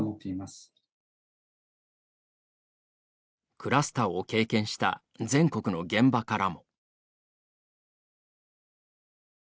クラスターを経験した全国の現場からも。